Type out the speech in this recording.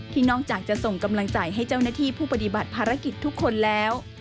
นอกจากจะส่งกำลังใจให้เจ้าหน้าที่ผู้ปฏิบัติภารกิจทุกคนแล้ว